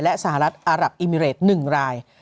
และสหรัฐอารับอิมิเรต๑ราย